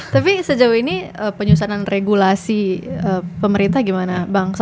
tapi sejauh ini penyusunan regulasi pemerintah gimana bang